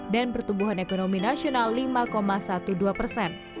pertumbuhan ekonomi nasional lima dua belas persen